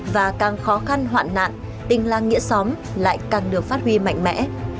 và càng khó khăn hoạn nạn tình làng nghĩa xóm lại càng được phát huy mạnh mẽ